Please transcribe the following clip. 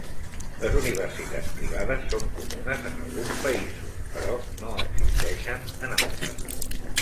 Les universitats privades són comunes en alguns països, però no existeixen en altres.